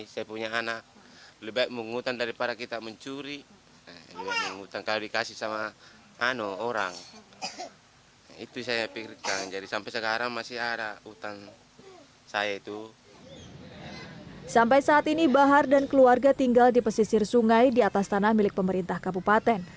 sampai saat ini bahar dan keluarga tinggal di pesisir sungai di atas tanah milik pemerintah kabupaten